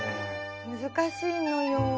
難しいのよ。